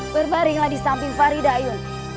berbaringlah di samping faridah ayun